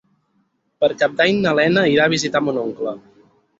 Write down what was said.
Per Cap d'Any na Lena irà a visitar mon oncle.